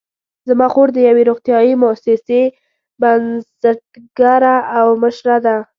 زما خور د یوې روغتیايي مؤسسې بنسټګره او مشره ده